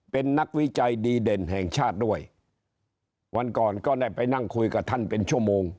เป็นนักวิจัยดีเด่นแห่งชาติด้วยวันก่อนก็ได้ไปนั่งคุยกับท่านเป็นชั่วโมง